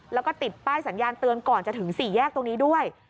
แล้วก็ติดป้ายสัญญาณเตือนก่อนจะถึง๔แยกตรงนี้ด้วย